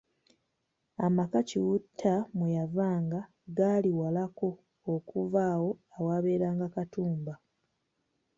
Amaka Kiwutta mwe yavanga gaali walako okuva awo awabeeranga Katumba.